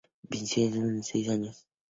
Vinci llegó al mundo del tenis a los seis años.